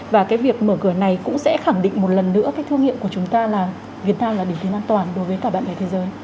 và cái việc mở cửa này cũng sẽ khẳng định một lần nữa cái thương hiệu của chúng ta là việt nam là điểm đến an toàn đối với cả bạn bè thế giới